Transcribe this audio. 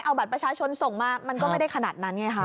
เอาบัตรประชาชนส่งมามันก็ไม่ได้ขนาดนั้นไงคะ